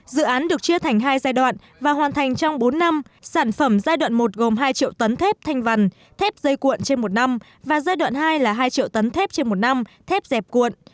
dự án được chia thành hai giai đoạn và hoàn thành trong bốn năm sản phẩm giai đoạn một gồm hai triệu tấn thép thanh vằn thép dây cuộn trên một năm và giai đoạn hai là hai triệu tấn thép trên một năm thép dẹp cuộn